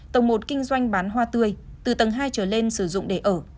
tầng một kinh doanh bán hoa tươi từ tầng hai trở lên sử dụng để ở